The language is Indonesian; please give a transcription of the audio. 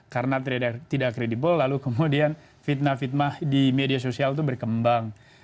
karena tidak kredibel kemudian fitnah fitnah di media sosial itu berkembang